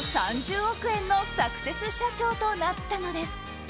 ３０億円のサクセス社長となったのです。